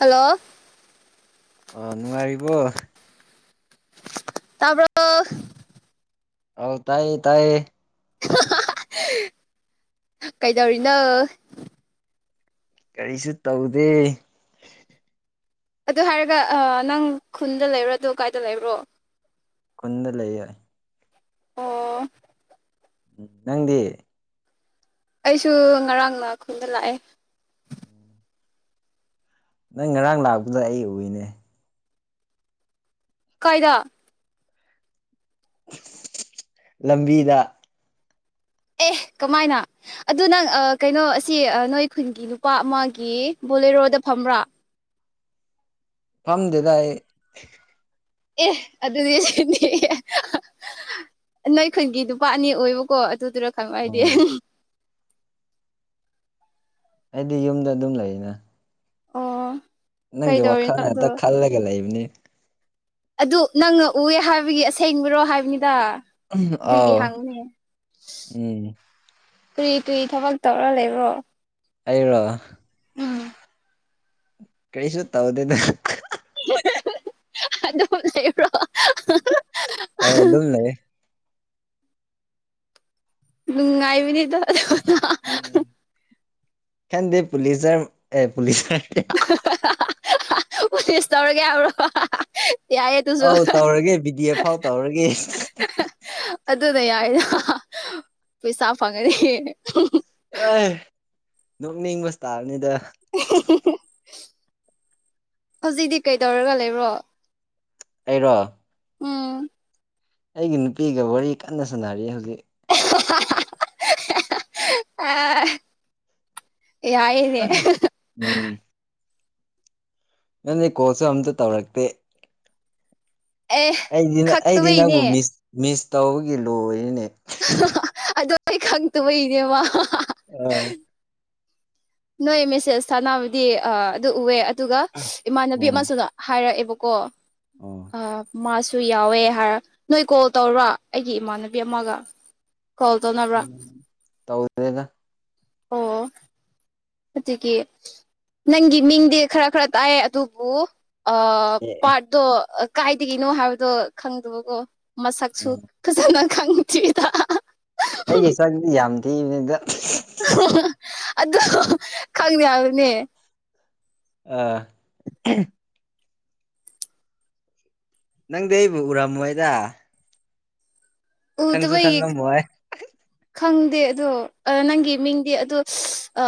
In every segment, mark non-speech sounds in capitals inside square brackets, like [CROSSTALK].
Hello ꯑꯥ ꯅꯨꯡꯉꯥꯏꯔꯤꯕꯣ? ꯇꯥꯕꯔꯣ꯫ ꯑ ꯇꯥꯏꯌꯦ ꯇꯥꯏꯌꯦ ꯀꯩꯗꯧꯔꯤꯅꯣ? ꯀꯔꯤꯁꯨ ꯇꯧꯗꯦ꯫ ꯑꯗꯨ ꯍꯥꯏꯔꯒ ꯑꯥ ꯅꯪ ꯈꯨꯟꯗ ꯂꯩꯕ꯭ꯔꯣ ꯑꯗꯨ ꯀꯥꯏꯗ ꯂꯩꯕ꯭ꯔꯣ? ꯈꯨꯟꯗꯥ ꯂꯩꯌꯦ꯫ ꯑꯣ ꯅꯪꯗꯤ ꯑꯩꯁꯨ ꯉꯔꯥꯡꯅ ꯈꯨꯟꯗ ꯂꯥꯛꯑꯦ ꯅꯪ ꯉꯔꯥꯡ ꯂꯥꯛꯄꯗꯣ ꯑꯩ ꯎꯏꯅꯦ ꯀꯥꯏꯗ ꯂꯝꯕꯤꯗ ꯑꯦ ꯀꯃꯥꯏꯅ? ꯑꯗꯨ ꯅꯪ ꯑꯥ ꯀꯩꯅꯣ ꯑꯁꯤ ꯅꯣꯏ ꯈꯨꯟꯒꯤ ꯅꯨꯄꯥ ꯑꯃꯒꯤ ꯕꯣꯂꯦꯔꯣꯗ ꯐꯝꯕ꯭ꯔꯥ ꯐꯝꯗꯦꯗ ꯑꯩ ꯑꯦ ꯑꯗꯨꯗꯤ ꯁꯤꯒꯤ ꯅꯣꯏ ꯈꯨꯟꯒꯤ ꯅꯨꯄꯥ ꯑꯅꯤ ꯑꯣꯏꯕꯀꯣ ꯑꯗꯨꯗꯨꯅ ꯈꯪꯉꯣ ꯍꯥꯏꯗꯤ ꯑꯣ ꯑꯩꯗꯤ ꯌꯨꯝꯗ ꯑꯗꯨꯝ ꯂꯩꯔꯤꯅ ꯑꯣ ꯅꯪꯒꯤ ꯋꯥꯈꯜ ꯀꯩꯗꯧꯔꯤꯅꯣ ꯑꯗꯣ ꯉꯠꯇ ꯈꯜꯂꯒ ꯂꯩꯕꯅꯦ ꯑꯗꯨ ꯅꯪꯅ ꯎꯑꯦ ꯍꯥꯏꯕꯒꯤ ꯑꯁꯦꯡꯕꯔꯣ ꯍꯥꯏꯕꯅꯤꯗ ꯗꯨꯒꯤ ꯑꯥꯎ ꯍꯪꯕꯅꯦ ꯎꯝ ꯀ꯭ꯔꯤ ꯀ꯭ꯔꯤ ꯊꯕꯛ ꯇꯧꯔ ꯂꯩꯕ꯭ꯔꯣ ꯑꯩꯔꯣ ꯀꯔꯤꯁꯨ ꯇꯧꯗꯦꯗ ꯑꯗꯨꯝ ꯂꯩꯕ꯭ꯔꯣ ꯑꯥꯎ ꯑꯗꯨꯝ ꯂꯩꯌꯦ ꯅꯨꯡꯉꯥꯏꯕꯅꯤꯗ ꯑꯗꯨ ꯈꯪꯗꯦ ꯄꯨꯂꯤꯖꯔ ꯑꯦ ꯄꯨꯂꯤꯁ ꯍꯥꯏꯗꯦ ꯄꯨꯂꯤꯁ ꯇꯧꯔꯒꯦ ꯍꯥꯏꯕ꯭ꯔꯣ ꯌꯥꯏꯌꯦ ꯗꯨꯁꯨ ꯑꯧ ꯇꯧꯔꯒꯦ ꯕꯤꯗꯤ ꯑꯦꯐ ꯐꯥꯎ ꯇꯧꯔꯒꯦ ꯑꯗꯨꯅ ꯌꯥꯏ ꯄꯩꯁꯥ ꯐꯪꯉꯅꯤ ꯑꯥꯏ ꯅꯣꯛꯅꯤꯡꯕ ꯁꯥꯕꯅꯤꯗ ꯍꯧꯖꯤꯛꯇꯤ ꯀꯩꯗꯧꯔꯒ ꯂꯩꯕ꯭ꯔꯣ? ꯑꯩꯔꯣ ꯎꯝ ꯑꯩꯒꯤ ꯅꯨꯄꯤꯒ ꯋꯥꯔꯤ ꯀꯟꯅ ꯁꯥꯟꯅꯔꯤ ꯍꯧꯖꯤꯛ ꯑ ꯌꯥꯏꯌꯦ ꯎꯝ ꯅꯪꯗꯤ ꯀꯣꯜꯁꯨ ꯑꯝꯇ ꯇꯧꯔꯛꯇꯦ ꯑꯦ ꯑꯩꯗꯤ ꯑꯩꯗꯤ ꯅꯪꯕꯨ ꯈꯛꯇꯕꯩꯅꯦ ꯃꯤꯁ ꯃꯤꯁ ꯇꯧꯕꯒꯤ ꯂꯣꯏꯔꯤꯅꯦ ꯑꯗꯣ ꯑꯩ ꯈꯪꯇ ꯕꯩꯅꯦꯕꯥ ꯏꯅꯦꯕ ꯑꯣꯏ ꯅꯣꯏ ꯃꯦꯁꯦꯁ ꯊꯥꯅꯕꯗꯤ ꯑꯗꯨ ꯎꯑꯦ ꯑꯗꯨꯒ ꯏꯃꯥꯟꯅꯕꯤ ꯎꯝ ꯑꯃꯁꯨꯅ ꯍꯥꯏꯔꯛꯑꯦꯕꯀꯣ ꯑꯣ ꯑ ꯃꯥꯁꯨ ꯌꯥꯎꯋꯦ ꯍꯥꯏꯔ ꯅꯣꯏ ꯀꯣꯜ ꯇꯧꯔ ꯑꯩꯒꯤ ꯏꯃꯥꯟꯅꯕꯤ ꯑꯃꯒ ꯀꯣꯜ ꯇꯧꯅꯕ꯭ꯔꯥ ꯇꯧꯗꯦꯗ ꯑꯣ ꯑꯗꯨꯒꯤ ꯅꯪꯒꯤ ꯃꯤꯡꯗꯤ ꯈꯔ ꯈꯔ ꯇꯥꯏꯑꯦ ꯑꯗꯨꯕꯨ ꯑ ꯑꯦ ꯄꯥꯔꯠꯇꯣ ꯀꯥꯏꯗꯒꯤꯅꯣ ꯍꯥꯏꯕꯗꯣ ꯈꯪꯗꯕꯀꯣ ꯃꯁꯛꯁꯨ ꯎꯝ ꯐꯖꯅ ꯈꯪꯗ꯭ꯔꯤꯗ ꯑꯩꯒꯤ ꯁꯛꯗꯤ ꯌꯥꯝ ꯊꯤꯕꯅꯤꯗ ꯑꯗꯨ ꯈꯪꯗꯦ ꯍꯥꯏꯕꯅꯦ ꯑꯥ ꯅꯪꯗꯤ ꯑꯩꯕꯨ ꯎꯔꯝꯃꯣꯏꯗ ꯈꯪꯁꯨ ꯎꯗꯕꯒꯤ ꯈꯪꯉꯝꯃꯣꯏ ꯈꯪꯗꯦ ꯑꯗꯣ ꯑ ꯅꯪꯒꯤ ꯃꯤꯡꯗꯤ ꯑꯗꯣ ꯑ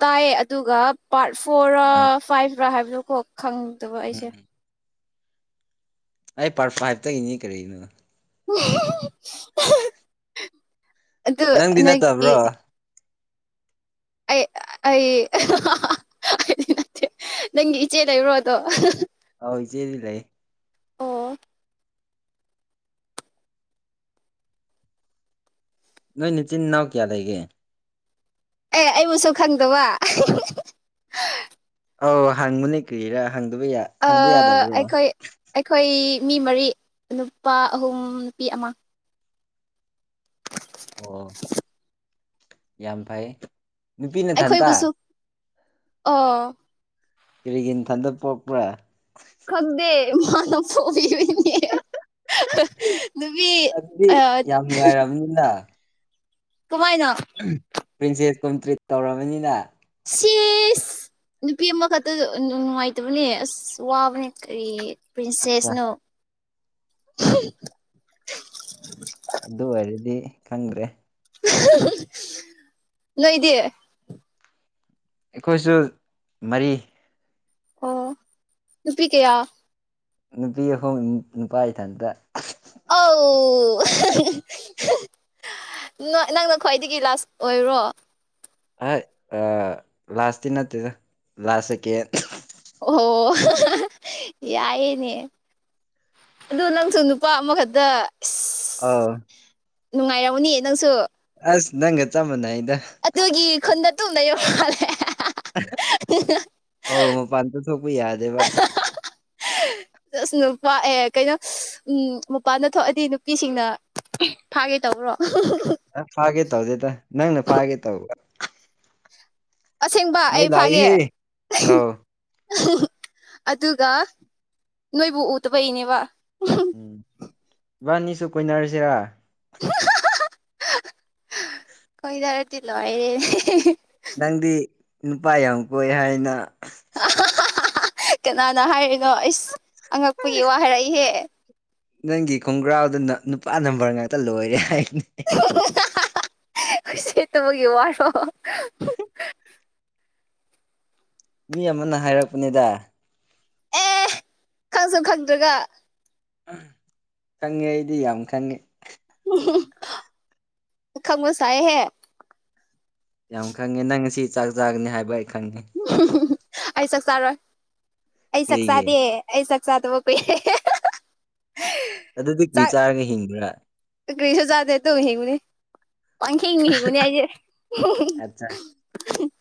ꯇꯥꯏ ꯑꯗꯨꯒ ꯄꯥꯔꯠ ꯐꯣꯔꯔꯥ ꯑꯥ ꯐꯥꯏꯐꯔꯥ ꯍꯥꯏꯕꯗꯨꯀꯣ ꯈꯪꯗꯕ ꯑꯩꯁꯦ ꯎꯝ ꯑꯩ ꯄꯥꯔꯠ ꯐꯥꯏꯚꯇꯒꯤꯅꯤ ꯀꯔꯤꯅꯣ [INAUDIBLE] [INAUDIBLE] ꯑꯗꯨ ꯅꯪꯗꯤ ꯅꯪꯒꯤ ꯅꯠꯇꯕ꯭ꯔꯣ ꯑꯩ ꯑꯩ ꯑꯩꯗꯤ ꯅꯠꯇꯦ ꯅꯪꯒꯤ ꯏꯆꯦ ꯂꯩꯕ꯭ꯔꯣꯗꯣ ꯑꯧ ꯏꯆꯦꯗꯤ ꯂꯩ ꯑꯣ ꯅꯣꯏ ꯅꯆꯤꯟ ꯅꯅꯥꯎ ꯀꯌꯥ ꯂꯩꯒꯦ ꯑꯦ ꯑꯩꯕꯨꯁꯨ ꯈꯪꯗꯕ ꯑꯧ ꯍꯪꯕꯅꯦ ꯀꯔꯤꯔꯥ ꯍꯪꯗꯕ ꯍꯪꯕ ꯌꯥꯗꯕ꯭ꯔꯣ ꯑꯩꯈꯣꯏ ꯑꯩꯈꯣꯏ ꯃꯤ ꯃꯔꯤ ꯅꯨꯄꯥ ꯑꯍꯨꯝ ꯅꯨꯄꯤ ꯑꯃ ꯑꯣ [INAUDIBLE] ꯌꯥꯝ ꯐꯩ ꯅꯨꯄꯤ ꯅꯊꯟꯇ ꯑꯩꯈꯣꯏꯕꯨꯁꯨ ꯑꯣ ꯀꯔꯤꯒꯤ [UNINTELLIGIBLE] ꯄꯣꯛꯄ꯭ꯔꯥ ꯈꯪꯗꯦ ꯃꯥꯅ [UNINTELLIGIBLE] ꯅꯨꯕꯤ ꯑꯗꯨꯗꯤ ꯑꯥ ꯌꯥꯝ [UNINTELLIGIBLE] ꯀꯨꯃꯥꯏꯅ ꯄ꯭ꯔꯤꯟꯁꯦꯁꯀꯨꯝ ꯇ꯭ꯔꯤꯠ ꯇꯧꯔꯕꯅꯤꯅ ꯁꯤꯁ ꯅꯨꯄꯤ ꯑꯃꯈꯛꯇ ꯅꯨꯡꯉꯥꯏꯇꯕꯅꯦ ꯑꯁ ꯋꯥꯕꯅꯦ ꯀꯔꯤ ꯑꯠꯆꯥ ꯄ꯭ꯔꯤꯟꯁꯦꯁꯅꯣ ꯑꯗꯨ ꯑꯣꯏꯔꯗꯤ ꯈꯪꯗ꯭ꯔꯦ ꯅꯣꯏꯗꯤ ꯑꯩꯈꯣꯏꯁꯨ ꯃꯔꯤ ꯑꯣ ꯅꯨꯄꯤ ꯀꯌꯥ ꯅꯨꯄꯤ ꯑꯍꯨꯝ ꯅꯨꯄꯥ ꯏꯊꯟꯇ ꯑꯥꯎ ꯅ ꯅꯪꯅ ꯈ꯭ꯋꯥꯏꯗꯒꯤ ꯂꯥꯁ ꯑꯣꯏꯔꯣ ꯍꯥꯏ ꯑꯥ ꯂꯥꯁꯇꯤ ꯅꯠꯇꯦꯗ ꯂꯥꯁꯁꯦꯀꯦꯟ ꯑꯣ ꯌꯥꯏꯅꯦ ꯑꯗꯨ ꯅꯪꯁꯨ ꯅꯨꯄꯥ ꯑꯃꯈꯠꯇ ꯑꯧ ꯅꯨꯡꯉꯥꯏꯔꯝꯅꯤ ꯅꯪꯁꯨ ꯑꯁ ꯅꯪꯒ ꯆꯞꯃꯟꯅꯩꯗ ꯑꯗꯨꯒꯤ ꯈꯨꯟꯗ ꯇꯨꯝ ꯂꯩꯕ ꯃꯥꯜꯂꯦ ꯑꯧ ꯃꯄꯥꯟ ꯇꯊꯣꯛꯄ ꯌꯥꯗꯦꯕ ꯑꯁ ꯅꯨꯄꯥ ꯑꯦ ꯀꯩꯅꯣ ꯎꯝ ꯃꯄꯥꯟꯗ ꯊꯣꯛꯑꯗꯤ ꯅꯨꯄꯤꯁꯤꯡꯅ ꯐꯥꯒꯦ ꯇꯧꯕ꯭ꯔꯣ ꯅꯪ ꯐꯥꯒꯦ ꯇꯧꯗꯦꯗ ꯅꯪꯅ ꯐꯥꯒꯦ ꯇꯧꯕ ꯑꯁꯦꯡꯕ ꯃꯩ ꯑꯩ ꯐꯥꯒꯦ ꯂꯥꯛꯏꯍꯦ ꯑꯧ ꯑꯗꯨꯒ ꯅꯣꯏꯕꯨ ꯎꯇꯄꯩꯅꯦꯕ ꯎꯝ ꯏꯕꯥꯅꯤꯁꯨ ꯀꯨꯣꯏꯅꯔꯁꯤꯔꯥ ꯀꯣꯏꯅꯔꯇꯤ ꯂꯣꯏꯔꯦ ꯅꯪꯗꯤ ꯅꯨꯄꯥ ꯌꯥꯝ ꯀꯣꯏ ꯍꯥꯏꯅ ꯀꯅꯥꯅ ꯍꯥꯏꯔꯤꯅꯣ ꯑꯩꯁ ꯑꯉꯛꯄꯒꯤ ꯋꯥ ꯍꯥꯏꯔꯛꯏꯍꯦ ꯅꯪꯒꯤ ꯈꯣꯡꯒ꯭ꯔꯥꯎꯗꯅ ꯅꯨꯄꯥ ꯅꯝꯕꯔ ꯉꯥꯛꯇ ꯂꯣꯏꯔꯦ ꯍꯥꯏꯅꯦ ꯎꯁꯤꯠꯇꯕꯒꯤ ꯋꯥꯔꯣ ꯃꯤ ꯑꯃꯅ ꯍꯥꯏꯔꯛꯄꯅꯤꯗ ꯑꯦ ꯈꯪꯁꯨ ꯈꯪꯗ꯭ꯔꯒ ꯈꯪꯉꯦ ꯑꯩꯗꯤ ꯌꯥꯝ ꯈꯪꯉꯦ ꯈꯪꯕꯁꯥꯏꯍꯦ ꯌꯥꯝ ꯈꯪꯉꯦ ꯅꯪ ꯉꯁꯤ ꯆꯥꯛ ꯆꯥꯒꯅꯤ ꯍꯥꯏꯕ ꯑꯩ ꯈꯪꯉꯦ ꯑꯩ ꯆꯛ ꯆꯥꯔꯣꯏ ꯑꯩ ꯆꯥꯛ ꯀꯔꯤꯒꯤ ꯆꯥꯗꯦ ꯑꯩ ꯆꯛ ꯆꯗꯕ ꯀꯨ ꯑꯗꯨꯗꯤ ꯀ꯭ꯔꯤ ꯆꯔꯒ ꯍꯤꯡꯕ꯭ꯔꯥ ꯀꯔꯤꯁꯨ ꯆꯥꯗꯦ ꯑꯇꯨ ꯍꯤꯡꯕꯅꯤ ꯄꯪꯍꯤꯡ ꯍꯤꯒꯅꯤ ꯑꯩꯗꯤ ꯑꯠꯆꯥ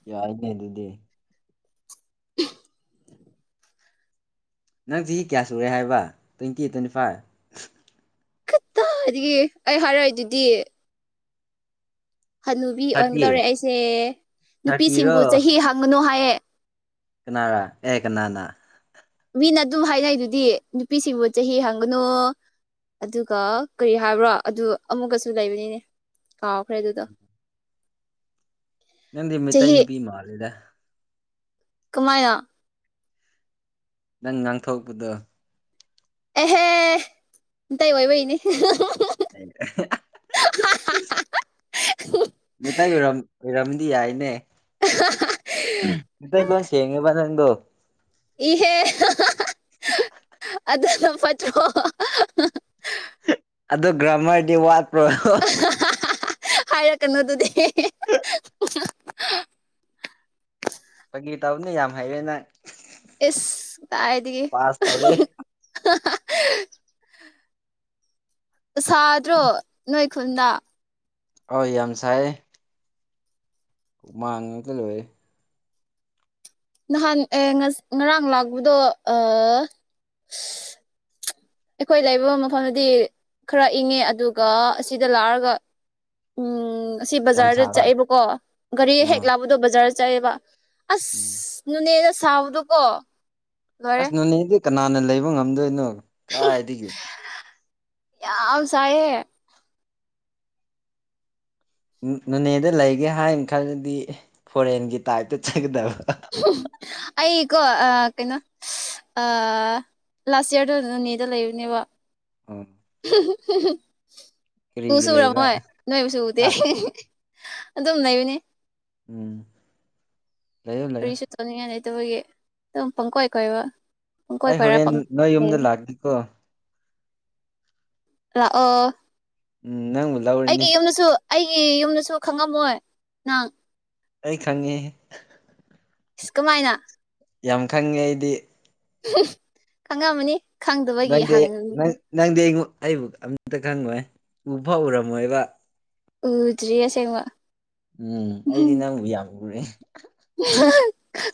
ꯌꯥꯏꯅꯦ ꯑꯗꯨꯗꯤ [UNINTELLIGIBLE] ꯅꯪ ꯆꯍꯤ ꯀꯌꯥ ꯁꯨꯔꯦ ꯍꯥꯏꯕ ꯇ꯭ꯋꯦꯟꯇꯤ ꯇ꯭ꯋꯦꯟꯇꯤ ꯐꯥꯏꯐ ꯑꯗꯒꯤ ꯑꯩ ꯍꯥꯏꯔꯛꯏꯗꯨꯗꯤ ꯍꯟꯅꯨꯕꯤ ꯑꯣꯏꯒꯗꯧꯔꯦ ꯊꯥꯔꯇꯤ ꯑꯩꯁꯦ ꯅꯨꯄꯤꯁꯤꯡꯕꯨ ꯊꯥꯔꯇꯤꯔꯣ ꯆꯍꯤ ꯍꯪꯒꯅꯨ ꯍꯥꯏꯌꯦ ꯀꯅꯥꯔ ꯑꯦ ꯀꯅꯥꯅ ꯃꯤꯅ ꯑꯗꯨꯝ ꯍꯥꯏꯅꯩꯗꯨꯗꯤ ꯅꯨꯄꯤꯁꯤꯡꯕꯨ ꯆꯍꯤ ꯍꯥꯡꯒꯅꯨ ꯑꯗꯨꯒ ꯀꯔꯤ ꯍꯥꯏꯕ꯭ꯔꯥ ꯑꯗꯨ ꯑꯃꯨꯛꯀꯁꯨ ꯂꯩꯕꯅꯤꯅꯦ ꯀꯥꯎꯈ꯭ꯔꯦ ꯑꯗꯨꯗꯣ ꯅꯪꯗꯤ ꯃꯩꯇꯩ ꯆꯍꯤ ꯅꯨꯄꯤ ꯃꯜꯂꯤꯗ ꯀꯃꯥꯏꯅ ꯅꯪ ꯉꯥꯡꯊꯣꯛꯄꯗꯣ ꯑꯦꯍꯦ ꯃꯤꯇꯩ ꯑꯣꯏꯕꯩꯅꯤ ꯑꯩꯅ ꯃꯩꯇꯩ ꯑꯣꯏꯔꯝ ꯑꯣꯏꯔꯝꯗꯤ ꯌꯥꯏꯅꯦ ꯃꯩꯇꯩ ꯂꯣꯟꯁꯦ ꯆꯦꯡꯉꯦꯕ ꯅꯪꯗꯣ ꯏꯍꯦ [UNINTELLIGIBLE] ꯑꯗꯨꯅ ꯐꯠꯇ꯭ꯔꯣ ꯑꯗꯣ ꯒ꯭ꯔꯥꯃꯔꯗꯤ ꯋꯥꯠꯄ꯭ꯔꯣ ꯍꯥꯏꯔꯛꯀꯅꯣ ꯑꯗꯨꯗꯤ [UNINTELLIGIBLE] ꯐꯒꯤ ꯇꯧꯅꯤ ꯌꯥꯝ ꯍꯩꯔꯦ ꯅꯪ ꯏꯁ ꯀꯥꯏꯗꯒꯦ ꯄꯥꯁ ꯇꯧꯔꯦ ꯁꯥꯗ꯭ꯔꯣ ꯅꯣꯏ ꯈꯨꯟꯗ ꯍꯣꯏ ꯌꯥꯝ ꯁꯥꯏꯌꯦ ꯍꯨꯃꯡ ꯃꯥꯡꯉꯛꯇ ꯂꯣꯏꯔꯦ ꯅꯍꯥꯟ ꯑꯦ ꯉꯔꯥꯡ ꯂꯥꯛꯄꯗꯣ ꯑ- ꯑꯩꯈꯣꯏ ꯂꯩꯕ ꯃꯐꯝꯗꯗꯤ ꯈꯔ ꯏꯪꯉꯦ ꯑꯗꯨꯒ ꯑꯁꯤꯗ ꯂꯥꯛꯑꯒ ꯎꯝ ꯑꯁꯤ ꯌꯥꯝ ꯕꯖꯥꯔꯗ ꯁꯥꯕ ꯆꯛꯑꯦꯕꯀꯣ ꯒꯥꯔꯤ ꯍꯦꯛ ꯑꯥ ꯂꯥꯛꯄꯗꯣ ꯕꯖꯥꯔ ꯆꯌꯦꯕ ꯑꯁ ꯎꯝ ꯅꯣꯅꯦꯗ ꯁꯥꯕꯗꯣ ꯀꯣ ꯑꯁ ꯅꯣꯅꯦꯗꯤ ꯀꯅꯥꯅ ꯂꯩꯕ ꯉꯝꯗꯣꯏꯅꯣ ꯀꯔꯥꯏꯗꯒꯤ ꯌꯥꯝ ꯁꯥꯏꯍꯦ ꯅꯣꯅꯦꯗ ꯂꯩꯒꯦ ꯍꯥꯏꯅ ꯈꯜꯂꯗꯤ ꯐꯣꯔꯦꯟꯒꯤ ꯇꯥꯏꯞꯇ ꯆꯠꯀꯗꯕ ꯑꯩꯀꯣ ꯑ ꯀꯩꯅꯣ ꯑ ꯂꯥꯁ ꯑꯤꯌꯥꯔꯗꯣ ꯑꯗꯨꯗ ꯅꯣꯅꯦꯗ ꯂꯩꯔꯨꯅꯦꯕ ꯎꯝ ꯑꯨꯁꯨ ꯀꯔꯤꯒꯤ ꯂꯩꯕ ꯑꯨꯔꯝꯃꯣꯏ ꯅꯣꯏꯕꯨꯁꯨ ꯎꯗꯦ ꯍꯥ ꯑꯗꯨꯝ ꯂꯩꯕꯅꯤ ꯎꯝ ꯂꯩꯌꯣ ꯂꯩꯌꯣ ꯆꯠꯅꯤꯡꯉꯥꯏ ꯂꯩꯇꯕꯒꯤ ꯑꯗꯨꯝ ꯄꯪ ꯀꯣꯏ ꯀꯣꯏꯕ ꯄꯪꯀꯣꯏ ꯑꯩ ꯀꯣꯏꯔ ꯍꯣꯔꯦꯟ ꯄꯪ ꯅꯣꯏ ꯌꯨꯝꯗ ꯂꯥꯛꯅꯤꯀꯣ ꯂꯥꯛꯑꯣ ꯎꯝ ꯅꯪꯕꯨ ꯂꯧꯔꯅꯤ ꯑꯩꯒꯤ ꯌꯨꯝꯗꯁꯨ ꯑꯩꯒꯤ ꯌꯨꯝꯗꯁꯨ ꯈꯪꯉꯝꯃꯣꯏ ꯅꯪ ꯑꯩ ꯈꯪꯉꯦꯍꯦ ꯀꯃꯥꯏꯅ ꯌꯥꯝ ꯈꯪꯉꯦ ꯑꯩꯗꯤ ꯈꯪꯉꯝꯃꯅꯤ ꯈꯪꯗꯕꯒꯤ ꯅꯪꯗꯤ ꯍꯥꯡꯉ ꯃꯤꯗꯣ ꯅꯪ ꯅꯪꯗꯤ ꯑꯩ ꯑꯩꯕꯨ ꯑꯝꯇ ꯈꯪꯉꯣꯏ ꯎ ꯐꯧ ꯎꯔꯝꯃꯣꯏꯕ ꯎꯗ꯭ꯔꯤ ꯑꯁꯦꯡꯕ ꯎꯝ ꯑꯩꯗꯤ ꯅꯪꯕꯨ ꯌꯥꯝ ꯎꯔꯦ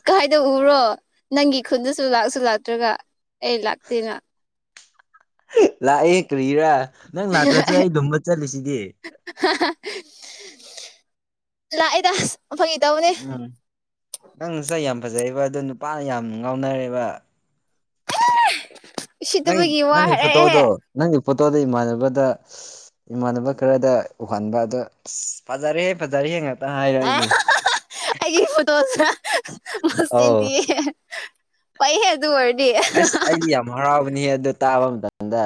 ꯀꯥꯏꯗ ꯎꯔꯣ ꯅꯪꯒꯤ ꯈꯨꯟꯗꯁꯨ ꯂꯥꯛꯁꯨ ꯂꯥꯛꯇ꯭ꯔꯒ ꯑꯩ ꯂꯥꯛꯇꯦꯅ ꯂꯥꯛꯑꯦ ꯀ꯭ꯔꯤꯔꯥ ꯅꯪ ꯂꯥꯛꯇ꯭ꯔꯖꯨ ꯑꯩ ꯂꯨꯝꯝꯕ ꯆꯠꯂꯤꯁꯤꯗꯤ ꯂꯥꯛꯑꯦꯗ ꯐꯒꯤ ꯇꯧꯕꯅꯦ ꯎꯝ ꯅꯪꯁꯦ ꯌꯥꯝ ꯐꯖꯩꯕ ꯑꯗꯣ ꯅꯨꯄꯥꯅ ꯌꯥꯝ ꯉꯥꯎꯅꯔꯦꯕ ꯅꯪ ꯎꯁꯤꯠꯇꯕꯒꯤ ꯋꯥ ꯅꯪꯒꯤ ꯐꯣꯇꯣꯗꯣ ꯍꯥꯏꯔꯛꯑꯦꯍꯦ ꯅꯪꯒꯤ ꯐꯣꯇꯣꯗꯣ ꯏꯃꯥꯟꯅꯕꯗ ꯏꯃꯥꯟꯅꯕ ꯈꯔꯗ ꯎꯍꯟꯕ ꯑꯗꯣ ꯑꯁ ꯐꯖꯔꯦ ꯐꯖꯔꯦ ꯉꯥꯛꯇ ꯍꯥꯏꯔꯛꯏꯅꯦ ꯑꯩꯒꯤ ꯐꯣꯇꯣ ꯃꯁꯤꯟꯇꯤ ꯑꯧ ꯄꯩꯏ ꯍꯦ ꯑꯗꯨ ꯑꯣꯏꯔꯗꯤ ꯍꯔꯥꯎꯕꯅꯤ ꯑꯗꯨ ꯇꯥꯕ ꯃꯇꯝꯗ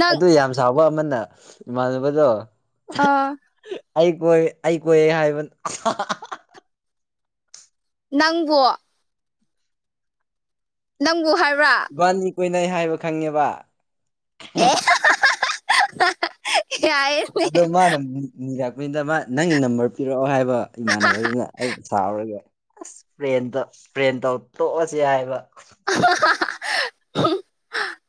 ꯅꯪ ꯑꯗꯨ ꯌꯥꯝ ꯁꯕ ꯑꯃꯅ ꯏꯃꯥꯟꯅꯕꯗꯣ ꯑꯥ ꯑꯩ ꯀꯣꯏꯦ ꯑꯩ ꯀꯣꯏꯦ ꯍꯥꯏꯕ ꯅꯪꯕꯣ ꯅꯪꯕꯨ ꯍꯥꯏꯕ꯭ꯔꯥ ꯕꯥꯟꯅꯤ ꯀꯣꯏꯅꯩ ꯍꯥꯏꯕ ꯈꯪꯉꯦꯕ ꯑꯦ ꯌꯥꯏꯌ‌ꯦ ꯑꯗ ꯃꯥꯅ ꯖꯥꯛꯄꯤꯗ ꯃꯥ ꯅꯪꯒꯤ ꯅꯝꯕꯔ ꯄꯤꯔꯛꯑꯣ ꯍꯥꯏꯕ ꯏꯃꯥꯟꯅꯕꯗꯨꯅ ꯑꯩ ꯁꯥꯎꯔꯒꯦ ꯑꯁ ꯄ꯭ꯔꯦꯟ ꯄ꯭ꯔꯦꯟ ꯇꯧ ꯇꯣꯛꯑꯁ ꯍꯥꯏꯕ [INAUDIBLE]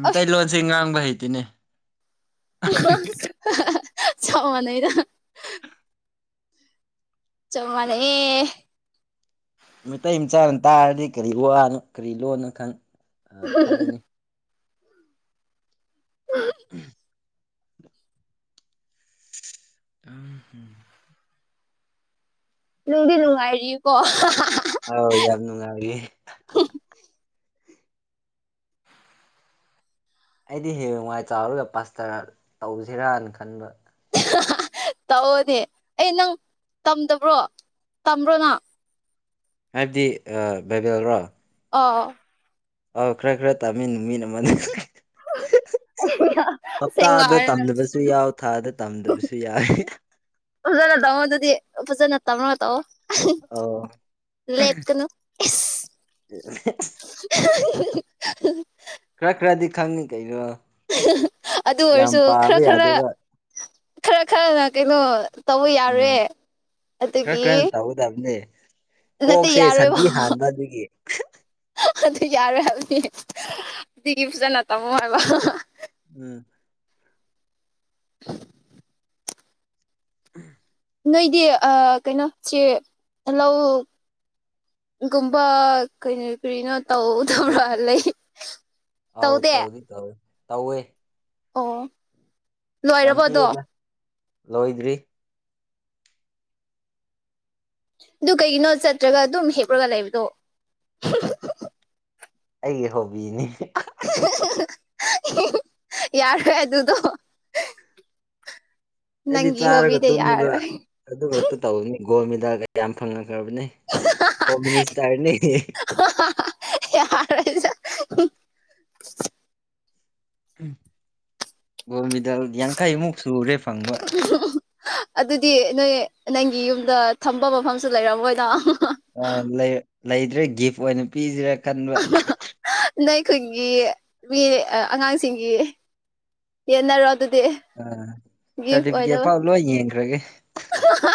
ꯃꯤꯇꯩꯩꯇꯩꯂꯣꯟꯁꯦ ꯉꯥꯡꯕ ꯍꯩꯇ‌ꯦꯅꯦ ꯆꯞ ꯃꯅꯩꯗ ꯆꯞ ꯃꯅꯩꯌ‌ꯦ ꯃꯩꯇꯩ ꯃꯆꯥꯅ ꯇꯥꯔꯗꯤ ꯀꯔꯤ ꯋꯥꯅꯣ ꯀꯔꯤ ꯂꯣꯠꯅꯣ ꯈꯪ ꯈꯜꯂꯅꯤ ꯎꯝ [UNINTELLIGIBLE] ꯅꯨꯡꯗꯤ ꯅꯨꯡꯉꯥꯏꯔꯤꯀꯣ ꯑꯥꯎ ꯌꯥꯝ ꯅꯨꯡꯉꯥꯏꯔꯤ ꯑꯩꯗꯤ ꯍꯦ ꯅꯨꯡꯋꯥꯥꯏ ꯆꯥꯎꯔꯒ ꯄꯥꯁꯇꯔ ꯇꯧꯁꯤꯔꯅ ꯈꯟꯕ ꯇꯧꯑꯣꯅꯦ ꯑꯩ ꯅꯪ ꯇꯝꯗꯕ꯭ꯔꯣ ꯇꯝꯕ꯭ꯔꯣ ꯅꯪ ꯍꯥꯏꯕꯗꯤ ꯕꯥꯏꯕꯦꯜꯔꯣ ꯑꯥ ꯑꯧ ꯈꯔ ꯈꯔ ꯇꯥꯃꯤꯟꯅ ꯃꯤꯅ ꯑꯃꯅꯤꯅꯤ ꯑꯁꯦꯡꯕ ꯍꯞꯇꯥꯗ ꯍꯥꯏꯔꯒ ꯇꯝꯗꯕꯁꯨ ꯌꯥꯎ ꯊꯥꯗ ꯇꯝꯗꯕꯁꯨ ꯌꯥꯏ ꯐꯖꯅ ꯇꯑꯣ ꯑꯗꯨꯗꯤ ꯐꯖꯅ ꯇꯝꯔꯒ ꯇꯧ ꯑꯧ ꯂ‌ꯦꯞꯀꯅꯨ [INAUDIBLE] ꯈꯔ ꯈꯔꯗꯤ ꯈꯪꯉꯤ ꯀꯩꯅꯣ ꯑꯗꯨ ꯌꯥꯝ ꯑꯣꯏꯔꯁꯨ ꯈꯔ ꯄꯥꯕ ꯈꯔ ꯌꯥꯗꯦꯕ ꯈꯔ ꯈꯔꯅ ꯀꯩꯅꯣ ꯇꯧꯕ ꯌꯥꯔꯦ ꯑꯗꯨꯒꯤ ꯕꯅꯦ ꯅꯠꯇꯦ ꯀꯣꯛꯁꯦ ꯌꯥꯔꯣꯏꯕ ꯁꯟꯊꯤ ꯍꯥꯟꯕ ꯑꯗꯨꯒꯤ ꯑꯗꯨ ꯌꯥꯔ‌ꯣꯏ ꯍꯥꯏꯕꯅꯤ ꯀꯕꯨꯁ ꯅꯠꯇꯝꯣ ꯍꯥꯏꯕ ꯎꯝ [INAUDIBLE] [UNINTELLIGIBLE] ꯅꯣꯏꯗꯤ ꯀꯩꯅꯣꯁꯤ ꯂꯧ ꯒꯨꯝꯕ ꯀꯩꯅꯣ ꯀꯔꯤꯅꯣ ꯎꯝ ꯇꯧꯗꯕ꯭ꯔꯥ ꯂꯩ ꯇꯧꯗꯦ ꯇꯧ ꯇꯧꯋꯦ ꯑꯣ ꯌꯥꯝ ꯂꯣꯏꯔꯕꯣ ꯑꯗꯣ ꯄꯤꯛꯑꯦꯗ ꯂꯣꯏꯗ꯭ꯔꯤ ꯑꯗꯨ ꯀꯩꯒꯤꯅꯣ ꯆꯠꯇ꯭ꯔꯒ ꯑꯗꯨꯝ ꯍꯦꯛꯞꯂꯒ ꯂꯩꯕꯗꯣ ꯑꯩꯒꯤ ꯍꯣꯕꯤꯅꯤ ꯌꯥꯔꯣꯢ ꯑꯗꯨꯗꯣ ꯑꯩꯗꯤ ꯅꯪꯒꯤ ꯆꯥꯔꯒ ꯍꯣꯕꯤꯗꯤ ꯇꯨꯝꯃꯒ ꯌꯥꯔꯔꯣ꯫ ꯑꯗꯨ ꯈꯛꯇ ꯇꯧꯕꯅꯤ ꯒꯣꯜ ꯃꯦꯗꯥꯜ ꯌꯥꯝ ꯐꯪꯉꯛꯈ꯭ꯔꯕꯅꯤ ꯍꯣꯝ ꯃꯤꯅꯤꯁꯇꯔꯅꯤ꯫ ꯌꯥꯔꯦ꯫ ꯒꯣꯜ ꯃꯦꯗꯜ ꯌꯪꯈꯩꯃꯨꯛ ꯁꯨꯔꯦ꯫ ꯐꯪꯕ [INAUDIBLE] ꯑꯗꯨꯗꯤ ꯅꯣꯏ ꯅꯪꯒꯤ ꯌꯨꯝꯗ ꯊꯝꯕ ꯃꯐꯝꯁꯨ ꯂꯩꯔꯝꯃꯣꯏꯗ꯫ ꯑꯥ ꯂꯩꯇ꯭ꯔꯦ ꯒꯤꯐ ꯑꯣꯏꯅ ꯄꯤꯁꯤꯔꯥ ꯈꯟꯕ꯫ ꯅꯣꯏ ꯈꯨꯟꯒꯤ ꯃꯤ ꯑꯉꯥꯡꯁꯤꯡꯒꯤ ꯌꯦꯟꯅꯔꯣ ꯑꯗꯨꯗꯤ꯫ ꯑꯥ ꯁꯥꯔꯇꯤꯐꯤꯀꯦꯠ ꯐꯥꯎ ꯂꯣꯏ ꯌꯦꯡꯈ꯭ꯔꯒꯦ꯫ ꯍꯥꯍꯥ꯫